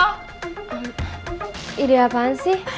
oh ide apaan sih